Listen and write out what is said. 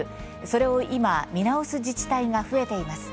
それを今、見直す自治体が増えています。